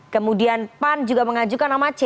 kemudian pan juga mengajukan nama c